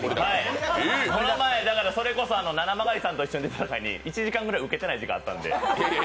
この前、それこそななまがりさんと一緒に出たときに１時間ぐらいウケてない時間あったんで。